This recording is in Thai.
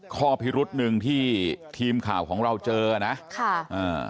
ข้อพิรุษหนึ่งที่ทีมข่าวของเราเจอนะค่ะอ่า